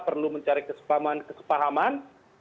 perlu mencari kesepahaman kesepahaman